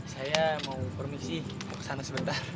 saya mau permisi mau kesana sebentar